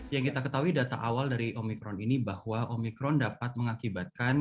yang kita ketahui data awal dari omikron ini bahwa omikron dapat mengakibatkan